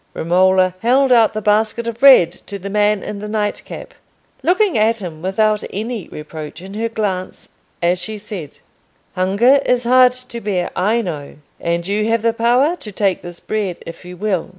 Romola held out the basket of bread to the man in the night cap, looking at him without any reproach in her glance, as she said— "Hunger is hard to bear, I know, and you have the power to take this bread if you will.